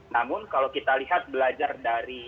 namun kalau kita lihat belajar dari